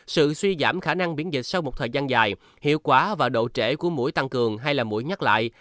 sự suy giảm khả năng biến dịch sau một thời gian dài hiệu quả và độ trễ của mũi tăng cường hay là mũi nhắc lại